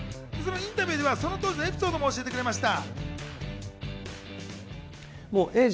インタビューでは、その当時のエピソードも教えてくれました。